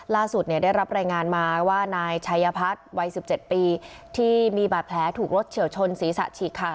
ล่าสุดเนี่ยได้รับแรงงานมาว่านายชายพัฒน์วัย๑๗ปีที่มีบาดแผลถูกรถเฉลชนศีรษะฉีกค่ะ